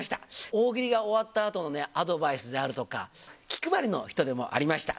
大喜利が終わったあとのアドバイスであるとか、気配りの人でもありました。